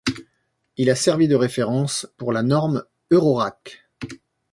Il a servi de référence pour la norme Eurorack.